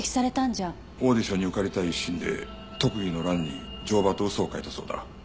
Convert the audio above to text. オーディションに受かりたい一心で特技の欄に「乗馬」と嘘を書いたそうだ。